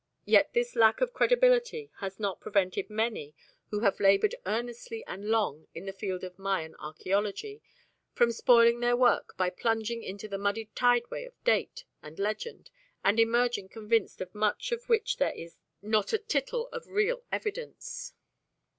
Yet this lack of credibility has not prevented many who have laboured earnestly and long in the field of Mayan archæology from spoiling their work by plunging into the muddied tideway of date and legend and emerging convinced of much for which there is not a tittle of real evidence.